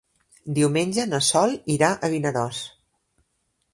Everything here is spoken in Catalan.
Diumenge na Sol irà a Vinaròs.